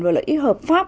và lợi ích hợp pháp